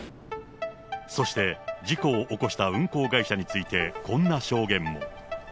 そして、事故を起こした運航会社についてこんな証言も。